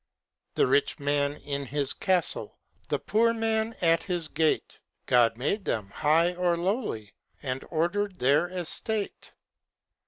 The rich man in his castle, The poor man at his gate, God made them, high or lowly, And order'd their estate.